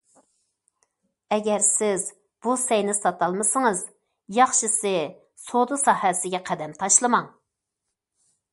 ئەگەر سىز بۇ سەينى ساتالمىسىڭىز، ياخشىسى سودا ساھەسىگە قەدەم تاشلىماڭ.